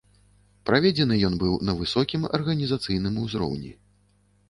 Праведзены ён быў на высокім арганізацыйным узроўні.